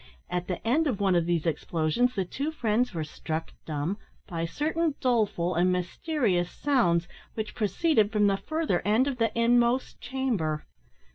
At the end of one of these explosions, the two friends were struck dumb by certain doleful and mysterious sounds which proceeded from the further end of the inmost chamber.